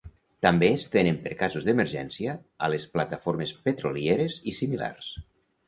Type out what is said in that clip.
També es tenen per casos d'emergència a les plataformes petrolieres i similars.